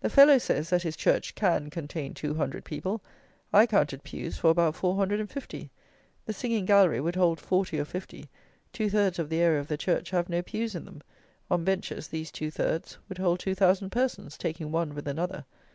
The fellow says that his church "can contain two hundred people." I counted pews for about 450; the singing gallery would hold 40 or 50; two thirds of the area of the church have no pews in them. On benches these two thirds would hold 2,000 persons, taking one with another!